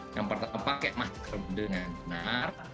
yang pertama pakai masker dengan benar